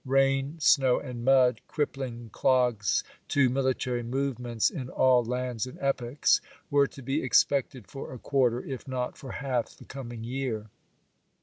Rain, snow, and mud, crip pling clogs to military movements in all lands and epochs, were to be expected for a quarter, if not for half, the coming year.